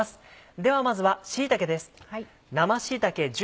ではまずは椎茸です。